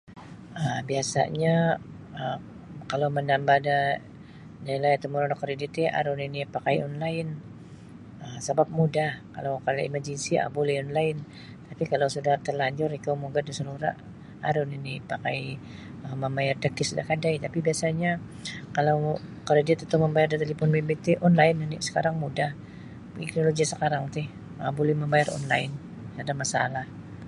um Biasanyo um kalau manambah nilai da karidit aru nini iyo pakai online sabab muda kalau emergensi buli online tapi kalau sudah talanjur ikau mugad da salura aru nini pakai um mamayar da cash da kadai tapi biasanyo kalau karidit atau mamayar da talipun bimbit ti online oni sakarang mudah korojo sakarang ti buli mamayar online sada masalah.